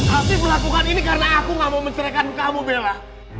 habis melakukan ini karena aku gak mau menceraikan kamu bella